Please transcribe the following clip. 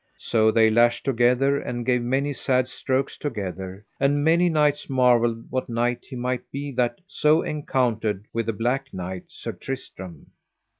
So they lashed together and gave many sad strokes together, and many knights marvelled what knight he might be that so encountered with the black knight, Sir Tristram.